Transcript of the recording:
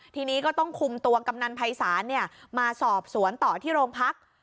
ทีนี้ก็ต้องคุมตัวกำนันภัยศาลมาสอบสวนต่อที่โรงพัก